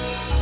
gak tahu kok